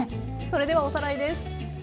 それではおさらいです。